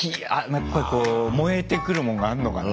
やっぱりこう燃えてくるもんがあんのかな？